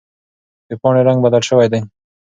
د پاڼې رنګ بدل شوی دی.